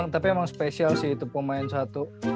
tapi emang spesial sih itu pemain satu